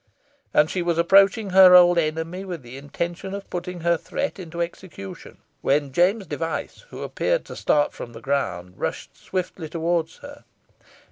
And she was approaching her old enemy with the intention of putting her threat into execution, when James Device, who appeared to start from the ground, rushed swiftly towards her.